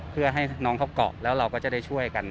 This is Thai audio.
เพื่อให้น้องเข้าเกาะแล้วเราก็จะได้ช่วยกัน